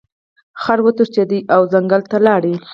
خر وتښتید او ځنګل ته لاړ.